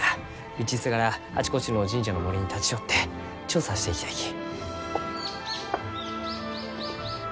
道すがらあちこちの神社の森に立ち寄って調査していきたいき。